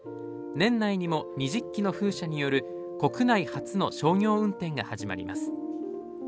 年内にも、２０基の風車による国内初の商業運転が始まります。